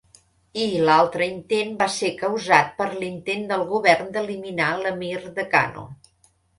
I l'altre intent va ser causat per l'intent del govern d'eliminar l'emir de Kano.